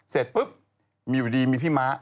เสร็จปุ๊บมีอยู่ดีมีพี่ม้า